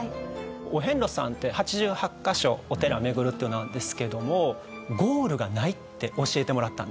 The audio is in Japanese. お遍路さんって８８カ所お寺を巡るというものですけどもゴールがないって教えてもらったんですよ。